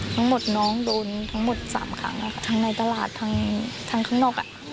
ทั้งหมดน้องโดนทั้งหมดสามครั้งแล้วทั้งในตลาดทั้งข้างนอก